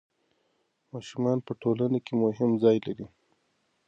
ماشومان په ټولنه کې مهم ځای لري.